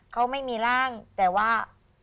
เขาไม่มีร่างแต่ว่า